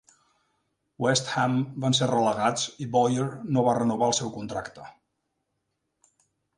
West Ham van ser relegats i Bowyer no va renovar el seu contracte.